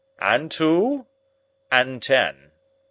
"And two?" "And ten?"